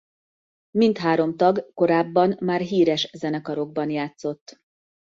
Mindhárom tag korábban már híres zenekarokban játszott.